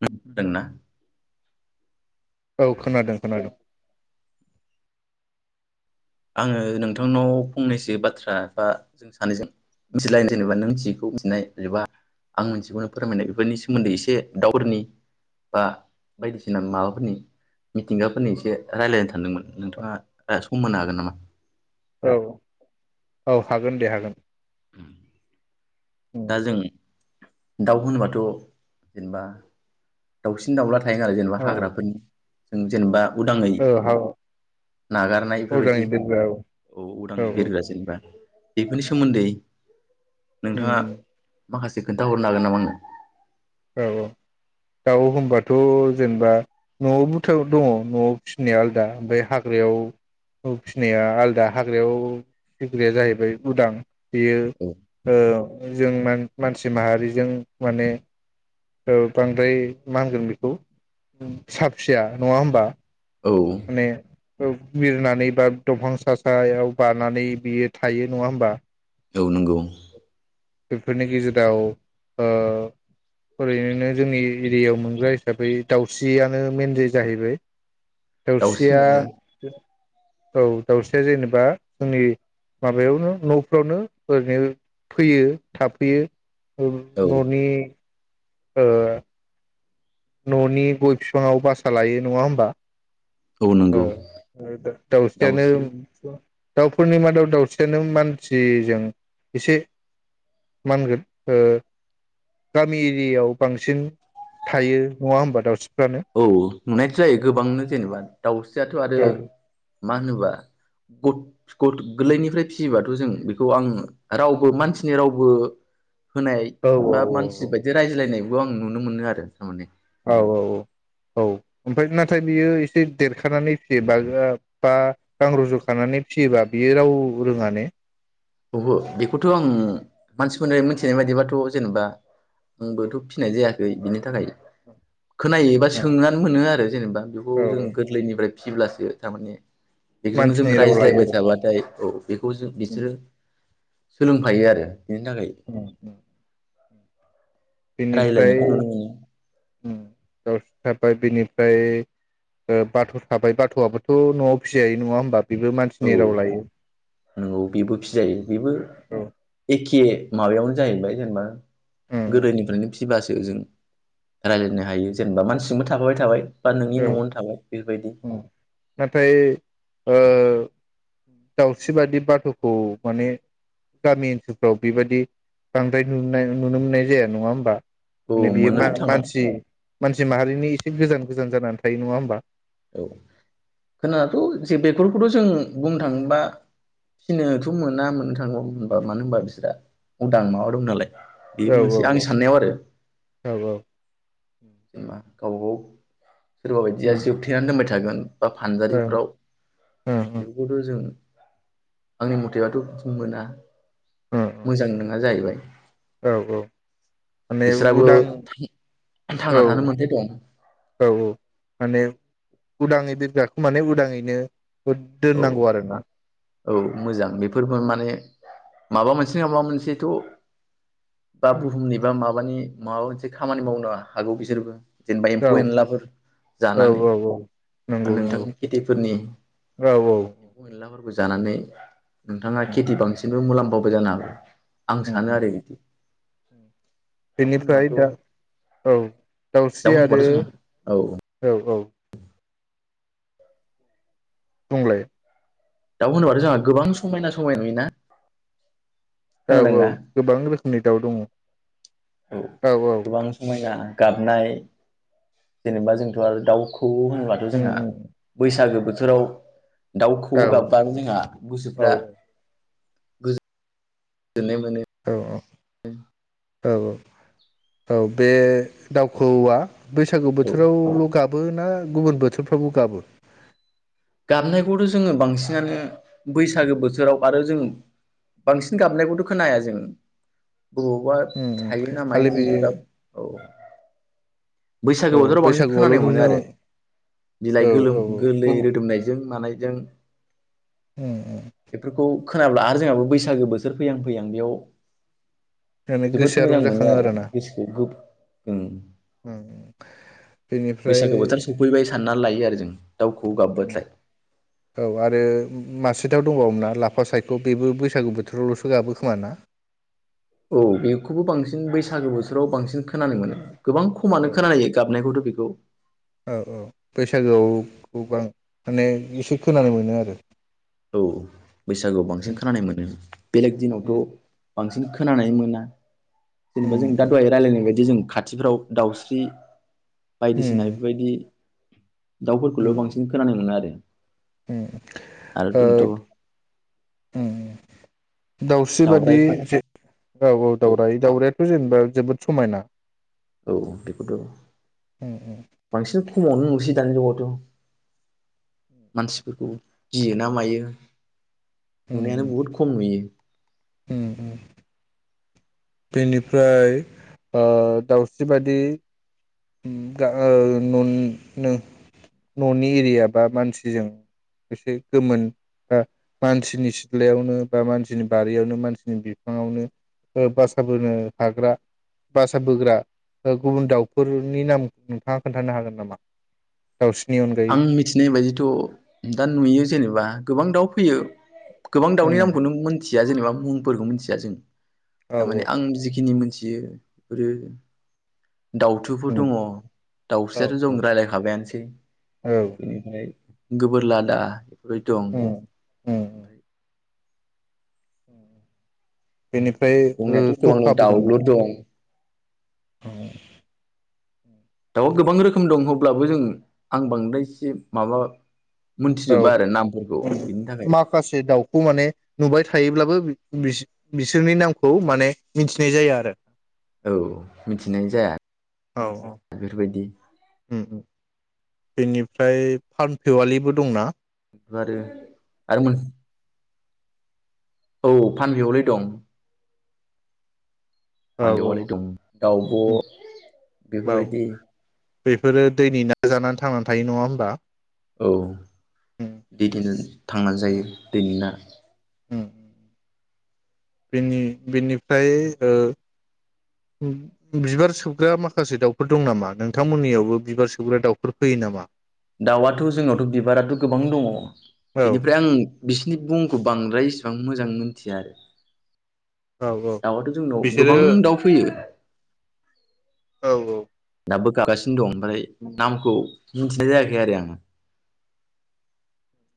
[unintelligible] दोंना औ खोनादों खोनादों आङो नोंथांनाव फंनैसो बाथ्रा बा जों सानैजों मिथिलायनो जेनेबा नों जिखौ मिथिनाय एबा आं मोनथियिखौ फोरमायनाय बेफोरनि सोमोन्दै एसे दावउफोरनि बा बायदिसिना माबाफोरनि मिथिंगाफोरनि एसे रायलायनो सानदोंमोन नोंथाङा सम होनो हागोन नामा? औ औ हागोन दे हागोन। [inaudible] उम दा जों दाउ होनबाथ जेनेबा दाउसिन दाउला [unintelligible] जेनेबा औ हाग्राफोरनि जों जेनेबा उदाङै हाव नागारनाय बेफोरबायदि अर्डारनि बेलायाव औ उदाङै बिरग्रा जेनेबा बेफोरनि उम सोमोन्दै नोंथाङा उम माखासे खोन्थाहरनो हागोन नामा आंनो। औ औ दाउ होनबाथ जेनेबा नआव [unintelligible] दङ नआव फिनाया आलादा ओमफ्राय हाग्रायाव फिनाया आलादा हाग्रायाव फिग्राया जाहैबाय उदां। बियो औ ओ जों मान मानसि माहारिजों माने ओ बांद्राय मा होनगोन बेखौ साब फिया नङा होमबा? औ माने बिरनानै बा दंफां सा सायाव बानानै बियो थायो नङा होमबा औ नोंगौ। बेफोरनि गेजेराव ओ ओरैनो जोंनि एरियायाव मोनग्रा हिसाबै दाउस्रियानो मेनलि जाहैबाय। दाउस्रि दावस्रिया मोनो औ दाउस्रिया जेनेबा जोंनि माबायावनो नफ्रावनो ओरैनो फैयो थाफैयो। औ ननि ओ। ननि गय फिफाङाव बासा लायो नङा होमबा? औ ओ नंगौ ओ दाउस्रियानो दाउस्रि दाउफोरनि मादाव दाउस्रियानो मानसिजों एसे मा होनगोन ओ गामि एरियायाव बांसिन थायो। नङा होनबा दाउस्रि औ नुनायथ जायो गोबांनो जेनेबा दाउस्रियाथ आरो औ मा होनोबा [unintelligible] गोरलैनिफ्राय फियोबाथ जों बेखौ आं रावबो मानसिनि रावबो होनाय औ बा मानसि बायदि रायज्लायनाय बेखौ आं नुनो मोनो आरो थारमाने औ औ औ औ ओमफ्राय नाथाय बियो एसे देरखानानै फिसियोबा बा गां रज खानानै फिसियोबा बियो राव रोङा ने? बहो बेखौथ आं मानसिफोरफ्राय मिथिनाय बाददिबाथ जेनेबा आंबोथ फिनाय जायाखै बिनि थाखाय खोनायो बा सोंनानै मोनो आरो जेनेबा बेखौ औ जों गोरलैनिफ्राय फिसिब्लासो थारमाने बेजोंनो जों मानसिनि राव लायो रायज्लायबाय आरो थाबाथाय औ बेखौ जों बिसोरो सोलोंफायो आरो बेनि थाखाय औ बिनिफ्राय रायलायनायखौ नुनो मोनो [unintelligible] ओफ्राय बिनिफ्राय ओ बाथ थाबाय बाथ आबोथ नआव फिसिजायो नङा होमबा? बेबो औ मानसिनि राव औ लायो नोंगौ बेबो फिजायो बेबो एखे माबायावनो जाहैबाय जेनेबा उम गोदोनिफ्रायनो फिसिबासो जों रायलायनो हायो जेनेबा मानसिजोंबो थाफाबाय थाबाय। बा नोंनि औ न'आवनो थाबाय बेफोरबायदि नाथाय ओ दावस्रि बादि बाथखौ माने गामि ओनसोलफ्राव बेबायादि बांद्राय नुनाय नुनो मोननाय जाया नङा होमबा? औ माने बियो मोननोथ' थाङा मा-मा-मानसि मानसि माहारिनि थिग गोजान गोजान जानानै थायो नङा होमबा? औ खोनाथ जे बेखौथ जों बुंनो थाङोबा फिनोथ मोना मोननो थाङोबा बुंबा मानो होनबा बिस्रा उदां माबा दं नालाय बे औ मोनसे औ आंनि साननायाव आरो औ औ जेनबा गावबा गाव सोरबो बायदिया उम जोबथे होनबाय थागोन बा ओं फानजारिफ्राव ओं ओं बेफोरखौथ जों आंनि मथेबाथ मोना ओं ओं मोजां नङा जाहैबाय औ औ माने बिस्राबो उदां औ थांना थानो मोनथाय दं औ औ माने उदाङै बिरग्राखौ माने उदाङैनो औ दोननांगौ आरो ना औ माबा मोनसे नङा माबा मोनसेथ बा बुहुमनि बा माबानि माबा मोनसे खामानि मावनो हागौ बिसोरबो जेनेबा औ एम्फौ एनलाफोर औ जानानै औ औ नंगौ नंगौ नोंथांनि खेथिफोरनि औ औ फोरबो जानानै नोंथाङा खेथि बांसिनबो मुलाम म्फाबो जानो हानाय आं सानो आरो दाउ बेनिफ्राय होनोबाथ दा औ दाउस्रि दाउ होनोबाथ आरो जों औ औ [inaudible] होनोबा जोंहा गोबां समायना समाय नुयोना। औ खोनादोंना गोबां रोखोमनि दाउ दङ औ औ। गोबां समायना गाबनाय जेनेबा जोंथ आरो दाउ। खौ होनोबथ' उम जोंहा उम बैसागो बो थोराव दाउ औ खौऔ औ गाबबानो जोंहा औ गोसोफ्रा जोननाय मोनो औ औ औ बे दावखौवौआ बैसागु औ बोथोरावल गाब ना गुबुन बोथोरफ्रावबो गाबो गाबनायखौथ जोङो बांसिनानो बैसागो बोथोराव आरो जों बांसिन गाबनायखौथ' खोनाया जों बबावबा उम उम थायो ना खालि मायो बे जोंथ दा औ औ बैसागो बोथोराव बांसिन बैसागुआवल' खोनानाय मोनो नुनो आरो औ बिलाइ औ गोलोम गोलैरो नायजों मानायजों उ उ बेफोरखौ खोनाब्ला आरो जोंहाबो बैसागो बोथोर फैयां फैयां बेयाव माने बोद गोसोआ मोजां मोनो रंजाखाङो आरो आरोना गोसोखौ गुब उ उम बेनिफ्राय बैसागो बोथोर सफैबाय साननानै लायो आरो जों दाव ख गाब उ औ आरो उ मास सिटआव दंबावोमा ना लाफा सायख' बेबो बैसागु बोथोरावलसो गाबोखोमा ना? औ बेखौबो बांसिन बैसागो बोथोराव बांसिन खोनानो मोनो गोबां खमानो खोनायो गाबनायखौथ बे [inaudible] औ औ बैसागोआव गोबां माने एसे खोनानो मोनो आरो औ बैसागोआव बांसिन खोनानाय मोनो बेलेग दिनावथ बांसिन खोनानाय मोना जोंबा जों दा दहाय रायलायनायबादि जों खाथिफ्राव दाउस्रि बायदिसिना बेफोरबायदि दाउफोरखौल बांसिन खोनानो मोनो आरो आरो ओ दोन्थ दाउस्रि बादि ज औ औ दावराय दाउरे थ' जेनेबा जोबोद समायना। औ बेखौथ' बांसिन खमावनो नुसै दानि जुगावथ' र मानसिफोरखौ गियो ना मायो? नुनायानो बहुद खम नुयो। ओम ओ। बेनिफ्राय ओ दाउस्रि बादि उम गा-गाया नन-नो ननि एरिया बा मानसिजों एसे गोमोन बा मानसिनि सिथ्लायावनो बा मानसिनि बारियावनो मानसिनि बिफाङावनो ओ बासाबोनो हाग्रा बासाबोग्रा गुबुन दाउ फोरनि नामखौ नोंथाङा खोन्थानो हागोन नामा? दाउस्रिनि अनगायै आं मिथिनाय बायदिथ दा नुयो जेनेबा गोबां दाउ फैयो गोबां दाउनि नामखौनो मोनथि जा-जेनेबा मुंफोरखौ मोनथिया जों थारमाने औ आं जिखिनि मोन जियोब्रो। दाउथुफोर दङ औ दाउस्रियाथ' जों रायजलायखाबायानोसै। औ [unintelligible] गोबोर लादा यै दं औ ओ। बेनिफ्राय बो ओमफ्राय दंनायाथ' गोबां दं सखाबो दंना? दाउलुर दं औ दाउ गोबां रोखोम दं हब्लाबो जों आं बांदाय जिब माबा औ मोनथिजोबा आरो नामफोरखौ बिनि थाखाय माखासे दाउखौ माने नुबाय थायोब्लाबो बिस-बिसोरनि नामखौ माने मिथिनाय जाया आरो। औ मिथिनाय जाया बेफोरबायदि। उ बेनिफ्राय फामफेवालिबो दंना? आरो आरो मोन औ फानबियावलै दं। औ औ फानदेवालि दं दावब' औ बेफोरबायदि बेफोरो दैनि ना जानानै थांनानै थायो नङा होमबा? औ दबदिनो थांनानै जायो दिनैना। उम बेनि बेनिफाय ओ उ बिबार सोबग्रा माखासे दाउफोर दं नामा नोंथांमोननियावबो बिबार सोबग्रा दाउफोर फैयो नामा? दाउआथ' जोंनावथ' बिबाराथ' गोबां दङ' औ बेनिफ्राय आं बिसिनि बुंखौ बांद्राय इसिबां मोजां मोनथिया आरो? औ औ दाउ आथ जोंनाव बिसोरो गोबां दाउ फैयो औ औ। दाबो गाबगासिनो दं। मफ्राय नामखौ मिन्थिनाय जायाखै आरो आङो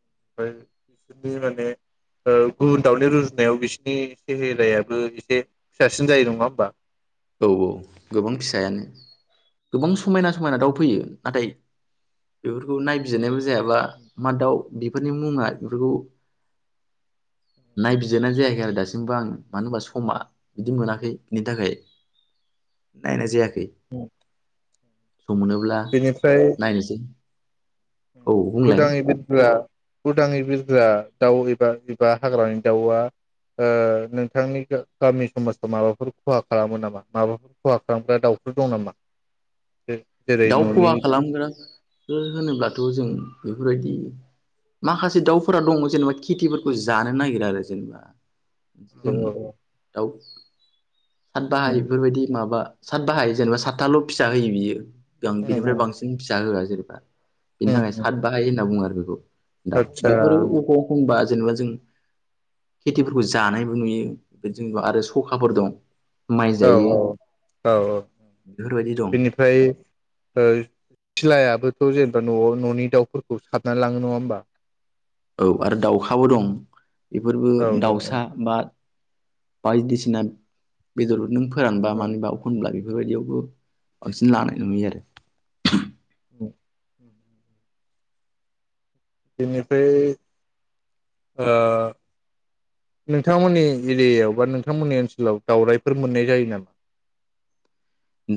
ओमफ्राय बिसोर माने ओ गुबुन दाउनि रुजुनायाव बिसोरनि सेहेरायाबो एसे फिसासिन जायो नङा होमबा? औ औ गोबां फिसायानो गोबां समायना समायना दाउ फैयो नाथाय बेफोरखौ नायबिजिरनायबो जायाबा मा दाउ बेफोरनि मुङा बेफोरखौ नायबिजिरनाय जायाखै आरो दासिमबो आं मानो होनबा समा बिदि मोनाखै बिनि थाखाय नायनाय जाया। ए सम मोनोब्ला बेनिफ्राय नायनोसै। औ बुंलाय उदाङै बिरग्रा उदाङै बिरग्रा दाउ एबा एबा हाग्रानि दाउआ ओ नोंथांनि गामि समाजाव माबाफोर खहा खालामो नामा? माबाफोर खहा खालामग्रा दाउफोर दं नामा? जेरै दाउ न'नि खहा खालामग्रा ओ होनोब्ला थ' जों बेफोरबायदि माखासे दाउफोरा दङ जेनेबा खितिफोरखौ जानो नागिरा आरो जेनेबा। औ जों दाउ सात बाहाय बेफोरबायदि माबा सात बाहाय जेनबा सातथाल' फिसा होयो बियो ओं बिनिफ्राय औ बांसिन फिसा होआ जेनेबा बिनि थाखाय सातबाहाय होनना बुङो आरो [unintelligible] दाउ आदसा बेफोरो अबाव होनबा जेनबा जों खितिफोरखौ जानायबो नुयो जों आरो खखाफोर दं माइ औ जायो औ औ बेफोरबायदि दं बेनिफ्राय ओ थिलायाबोथ जेनेबा नआव ननि दाउफोरखौ साबना लाङो नङा होमबा औ आरो दाउखाबो दं बेफोरबो औ औ दाउसा बा बायदिसिना बेदर नों फोरानबा औ मानोहोबा अखब्ला बे बेफोरबायदियावबो बांसिन लानाय नुयो आरो। औ बेनिफ्राय ओ नोंथांमोननि एरियायाव बा नोंथांमोननि ओनसोलाव दाउराइफोर मोननाय जायो नामा?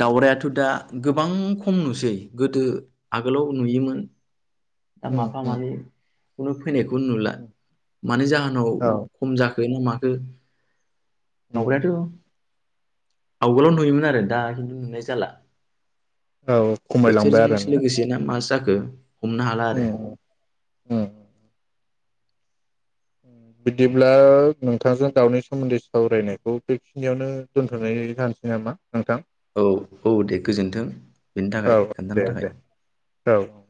दाउरायाथ दा गोबां खम नुसै गोदो आगोलाव नुयोमोन। दा उम माफा उम मानै उ फैनायखौ नुला मानि जाहोनाव औ खम जाखो ना मा [unintelligible] उम [unintelligible] आवगोलाव नुयोमोन आरो दा खिन्थु नुनाय जाला औ खमायलांबाय आरो ङा द हमनो हला आरो उम बिदिब्ला नोंथांजों दावनि सोमोन्दै सावरायनायखौ बेखिनियावनो दोनथनाय जानोसै नामा नोंथां औ औ दे गोजोन्थों बेनि थाखाय दे खोन्थानो दे थाखाय औ औ